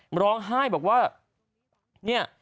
มาร้องไห้บอกว่า